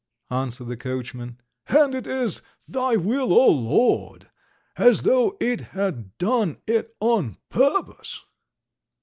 answered the coachman. "And it is Thy Will, O Lord! As though I had done it on purpose!"